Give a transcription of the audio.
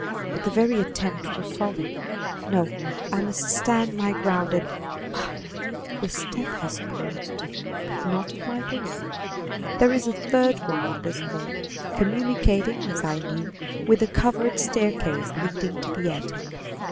But the very attempt were folly; no, I must stand my ground and Ah! the step has paused, but not at my door. There is a third one on this hall, communicating, as I knew, with a covered staircase leading to the attic.